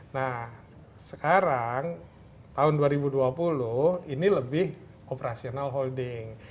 nah sekarang tahun dua ribu dua puluh ini lebih operasional holding